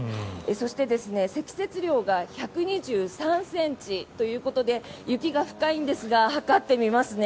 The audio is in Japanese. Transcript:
そして、積雪量が１２３ｃｍということで雪が深いんですが測ってみますね。